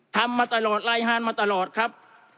ทำมาตลอดลายฮานมาตลอดครับ